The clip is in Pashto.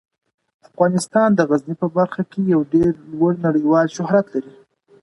افغانستان د غزني په برخه کې یو ډیر لوړ نړیوال شهرت لري.